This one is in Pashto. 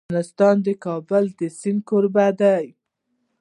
افغانستان د د کابل سیند کوربه دی.